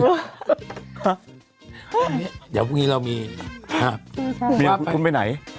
เดี๋ยวพรุ่งนี้เรามีฮะพรุ่งนี้คุณไปไหน